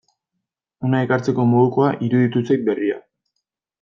Hona ekartzeko modukoa iruditu zait berria.